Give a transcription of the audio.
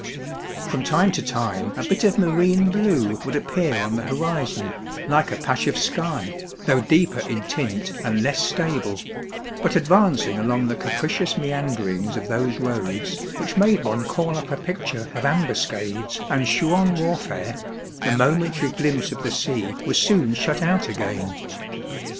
From time to time a bit of marine blue would appear on the horizon, like a patch of sky, though deeper in tint and less stable ; but advancing along the capricious meanderings of those roads, which made one call up a picture of ambuscades and Chouan warfare, the momentary glimpse of the sea was soon shut out again.